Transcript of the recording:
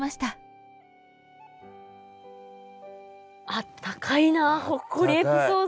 あったかいなほっこりエピソードだ。